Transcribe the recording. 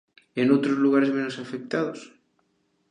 E noutros lugares menos afectados?